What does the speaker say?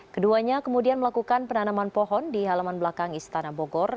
keduanya kemudian melakukan penanaman pohon di halaman belakang istana bogor